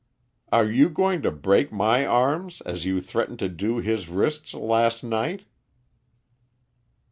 "Are you going to break my arms as you threatened to do his wrists last night?"